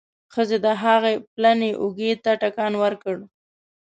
ښځې د هغه پلنې اوږې ته ټکان ورکړ.